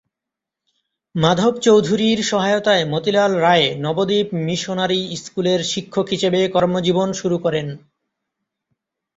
মাধব চৌধুরীর সহায়তায় মতিলাল রায় নবদ্বীপ মিশনারি স্কুলের শিক্ষক হিসাবে কর্মজীবন শুরু করেন।